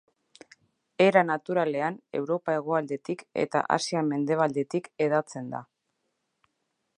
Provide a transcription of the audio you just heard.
Era naturalean Europa hegoaldetik eta Asia mendebaldetik hedatzen da.